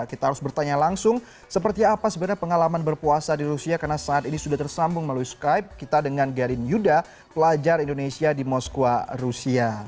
kita harus bertanya langsung seperti apa sebenarnya pengalaman berpuasa di rusia karena saat ini sudah tersambung melalui skype kita dengan garin yuda pelajar indonesia di moskwa rusia